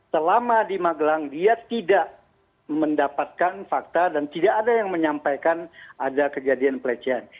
selama di magelang dia tidak mendapatkan fakta dan tidak ada yang menyampaikan ada kejadian pelecehan